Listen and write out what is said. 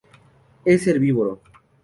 Es herbívoro.